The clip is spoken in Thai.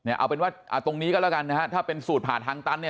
เอาเป็นว่าตรงนี้ก็แล้วกันนะฮะถ้าเป็นสูตรผ่าทางตันเนี่ย